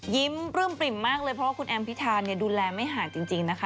ปลื้มปริ่มมากเลยเพราะว่าคุณแอมพิธาเนี่ยดูแลไม่ห่างจริงนะคะ